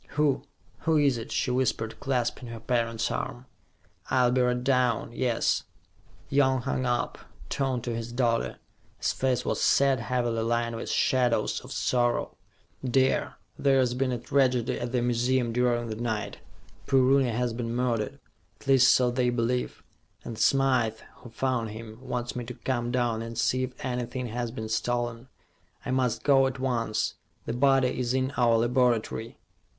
"Who who is it?" she whispered, clasping her parent's arm. "I'll be right down, yes." Young hung up, turned to his daughter. His face was sad, heavily lined with shadows of sorrow. "Dear, there's been a tragedy at the museum during the night. Poor Rooney has been murdered at least so they believe and Smythe, who found him, wants me to come down and see if anything has been stolen. I must go at once. The body is in our laboratory."